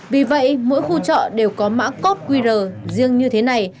vì vậy mỗi khu trọ đều có mã cốt qr riêng như thế này